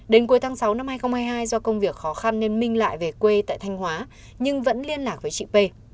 đến cuối tháng sáu năm hai nghìn hai mươi hai do công việc khó khăn nên minh lại về quê tại thanh hóa nhưng vẫn liên lạc với chị p